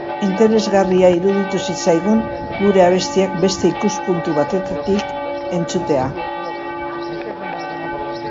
Interesgarria iruditu zitzaigun gure abestiak beste ikuspuntu batetatik entzutea.